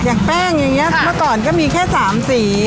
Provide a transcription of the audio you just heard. อย่างแป้งอย่างนี้เมื่อก่อนก็มีแค่๓สี